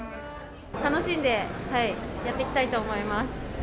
楽しんでやってきたいと思い